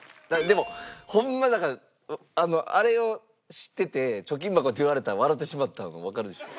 でもホンマだからあれを知ってて貯金箱って言われたら笑ってしまったのがわかるでしょ。